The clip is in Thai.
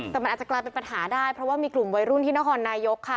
แต่มันอาจจะกลายเป็นปัญหาได้เพราะว่ามีกลุ่มวัยรุ่นที่นครนายกค่ะ